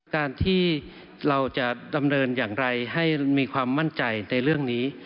การที่เราจะดำเนินอย่างไรให้มีความมั่นใจในเรื่องนี้